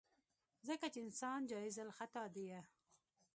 ځکه چې انسان جايزالخطا ديه.